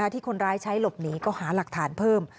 ที่คนร้ายใช้หลบหนีก็หาหลักฐานเพิ่ม